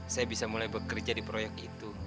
saya bisa mulai bekerja di proyek itu